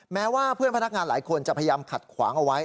แม้ว่าเพื่อนพนักงานหลายคนจะพยายามขัดขวางเอาไว้